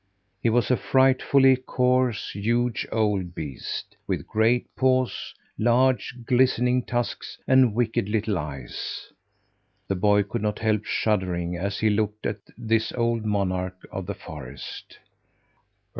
He was a frightfully coarse, huge old beast, with great paws, large, glistening tusks, and wicked little eyes! The boy could not help shuddering as he looked at this old monarch of the forest.